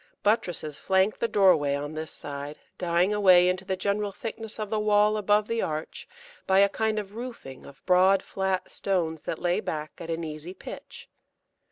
Buttresses flank the doorway on this side, dying away into the general thickness of the wall above the arch by a kind of roofing of broad flat stones that lay back at an easy pitch.